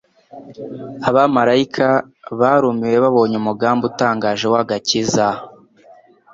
Abamalayika barumiwe babonye umugambi utangaje w'agakiza,